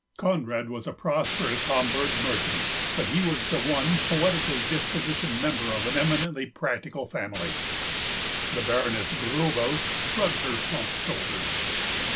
Conrad was a prosperous Hamburg merchant, but he was the one poetically dispositioned member of an eminently practical family. The Baroness Gruebel shrugged her plump shoulders.